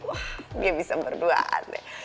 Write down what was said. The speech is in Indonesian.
wah dia bisa berduaan deh